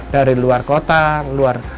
dari luar kota luar